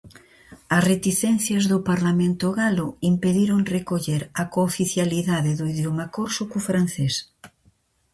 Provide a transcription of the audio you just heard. As reticencias do parlamento galo impediron recoller a cooficialidade do idioma corso co francés.